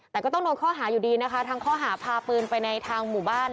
แต่ก็ต้องโดนข้อหาอยู่ดีนะคะทั้งข้อหาพาปืนไปในทางหมู่บ้าน